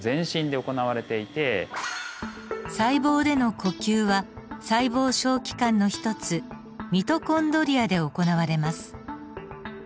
細胞での呼吸は細胞小器官の一つミトコンドリアで行われます。